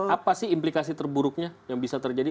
apa sih implikasi terburuknya yang bisa terjadi